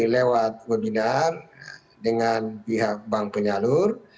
lewat webinar dengan pihak bank penyalur